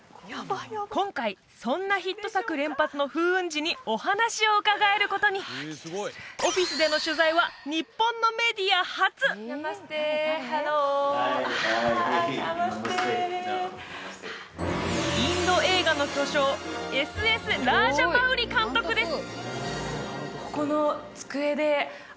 今回そんなヒット作連発の風雲児にお話を伺えることにオフィスでの取材はナマステハローはいはいナマステナマステインド映画の巨匠Ｓ．Ｓ．ラージャマウリ監督です